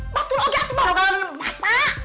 batu logi aku mau jalin bata